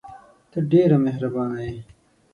ته ډېره مهربانه یې !